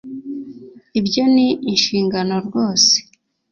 ibyo ni inshingano rwose